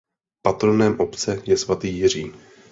Patronem obce je Svatý Jiří.